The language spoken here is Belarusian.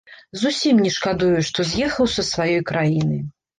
Зусім не шкадую, што з'ехаў са сваёй краіны.